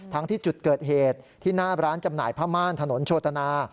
ที่จุดเกิดเหตุที่หน้าร้านจำหน่ายผ้าม่านถนนโชตนา